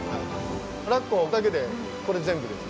ラッコだけでこれ全部です。